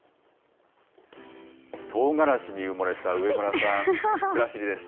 とうがらしに埋もれた上村さん、くらしりです。